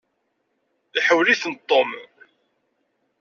Iḥawel-itent Tom.